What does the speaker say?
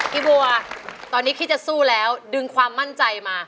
พี่บัวตอนนี้คิดจะสู้แล้วดึงความมั่นใจมา